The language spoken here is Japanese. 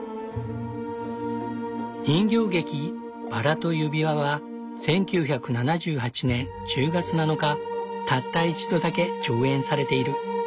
人形劇「バラと指輪」は１９７８年１０月７日たった一度だけ上演されている。